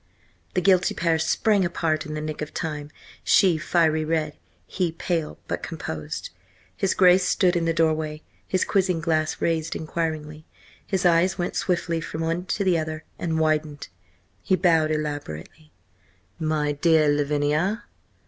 The guilty pair sprang apart in the nick of time, she fiery red, he pale, but composed. His Grace stood in the doorway, his quizzing glass raised inquiringly. His eyes went swiftly from one to the other and widened. He bowed elaborately. "My dear Lavinia!